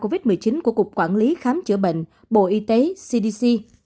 quản lý ca covid một mươi chín của cục quản lý khám chữa bệnh bộ y tế cdc